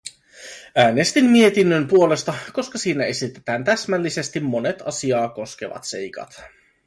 Äänestin mietinnön puolesta, koska siinä esitetään täsmällisesti monet asiaa koskevat seikat.